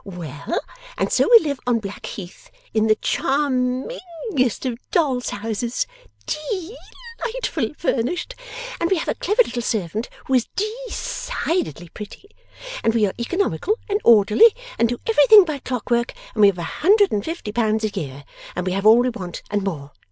Well! And so we live on Blackheath, in the charm ingest of dolls' houses, de lightfully furnished, and we have a clever little servant who is de cidedly pretty, and we are economical and orderly, and do everything by clockwork, and we have a hundred and fifty pounds a year, and we have all we want, and more.